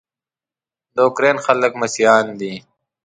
د اوکراین خلک مسیحیان دي.